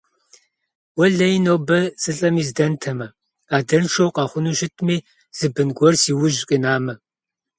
Уэлэхьи, нобэ сылӀэми здэнтэмэ, адэншэу къэхъуну щытми, зы бын гуэр си ужь къинамэ.